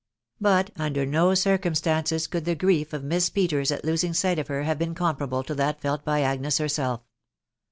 But, under no circumstances, could the grief of Miss Peters at losing sight of her have been comparable to that felt by Agnes herself.